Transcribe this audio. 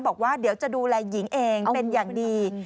บอกว่าเดี๋ยวจะดูแลหญิงเองเป็นอย่างดี